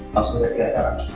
langsung dari setiap orang